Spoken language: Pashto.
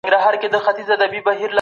ډیپلوماسي د شخړو حل دی.